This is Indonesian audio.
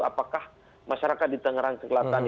apakah masyarakat di tangerang selatan